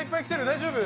大丈夫？